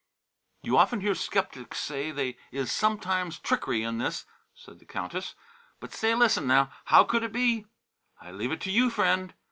"You often hear skeptics say they is sometimes trickery in this," said the Countess, "but say, listen now, how could it be? I leave it to you, friend.